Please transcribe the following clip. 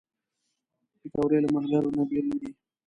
پکورې له ملګرو نه بېل نه دي